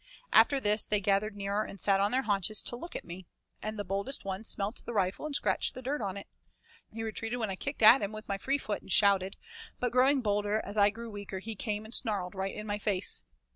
After this they gathered nearer and sat on their haunches to look at me, and the boldest one smelt the rifle and scratched dirt on it. He retreated when I kicked at him with my free foot and shouted, but growing bolder as I grew weaker he came and snarled right in my face.